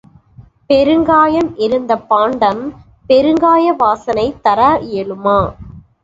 பெருங்காயம் இருந்த பாண்டம் பெருங்காய வாசனை தர இயலுமா?